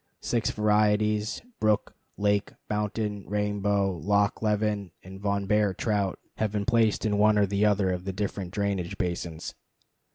Six varieties brook, lake, mountain, rainbow, Loch Leven, and Von Behr trout have been placed in one or the other of the different drainage basins.